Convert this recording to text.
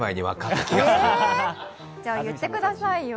え、じゃ言ってくださいよ。